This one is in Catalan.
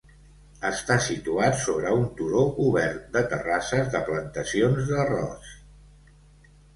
Està situat sobre un turó cobert de terrasses de plantacions d'arròs.